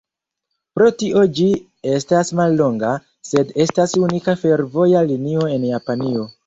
Pro tio ĝi estas mallonga, sed estas unika fervoja linio en Japanio.